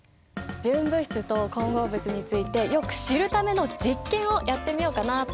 純物質と混合物についてよく知るための実験をやってみようかなって思ってるんだ。